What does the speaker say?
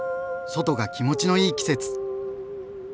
外が気持ちのいい季節！